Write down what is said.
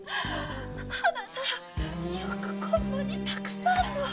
あなたよくこんなにたくさんの！